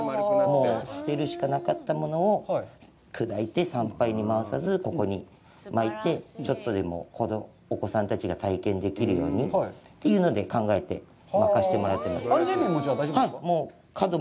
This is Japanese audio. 捨てるしかなかったものを砕いて産廃に回さず、ここにまいて、ちょっとでもお子さんたちが体験できるようにというので考えてまかせてもらってます。